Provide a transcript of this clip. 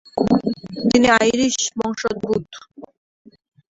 তিনি আইরিশ বংশোদ্ভূত।